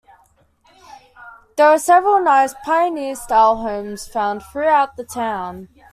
There are several nice pioneer style homes found throughout the town.